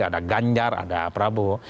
ada ganjar ada prabowo